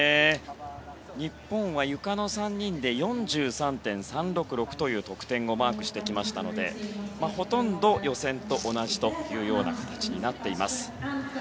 日本は、ゆかの３人で４３．３６６という得点をマークしてきましたのでほとんど予選と同じというような形になっています。